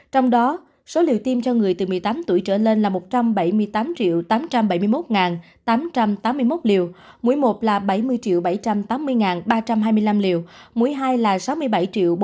trong đó số liều tiêm cho người từ một mươi tám tuổi trở lên là một trăm bảy mươi tám tám trăm bảy mươi một tám trăm tám mươi một liều mũi một là bảy mươi bảy trăm tám mươi ba trăm hai mươi năm liều mũi hai là sáu mươi bảy bốn trăm tám mươi năm năm trăm bốn mươi tám liều mũi ba là một bốn trăm linh liều